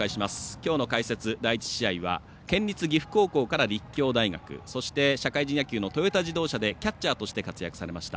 きょうの解説、第１試合は県立岐阜高校から立教大学、そして社会人野球のトヨタ自動車でキャッチャーとして活躍されました